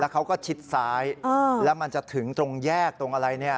เขาก็ชิดซ้ายแล้วมันจะถึงตรงแยกตรงอะไรเนี่ย